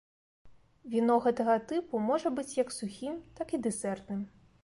Віно гэтага тыпу можа быць як сухім, так і дэсертным.